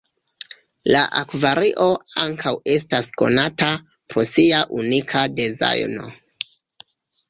La akvario ankaŭ estas konata pro sia unika dezajno.